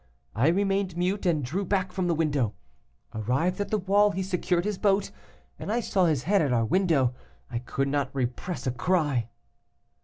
I remained mute, and drew back from the window. Arrived at the wall, he secured his boat, and I saw his head at our window. I could not repress a cry.